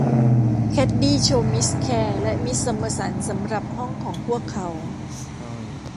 แคดดี้ โชว์มิสแคลร์และมิสซัมเมอสันสำหรับห้องของพวกเขา